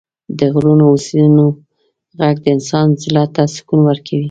د غرونو او سیندونو غږ د انسان زړه ته سکون ورکوي.